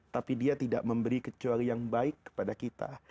tapi dia tidak memberi kecuali yang baik kepada kita